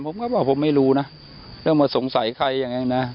ผมก็บอกผมไม่รู้นะเรื่องมาสงสัยใครยังไงนะ